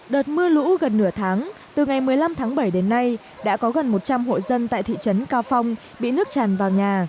đợt mưa lũ gần nửa tháng từ ngày một mươi năm tháng bảy đến nay đã có gần một trăm linh hộ dân tại thị trấn cao phong bị nước tràn vào nhà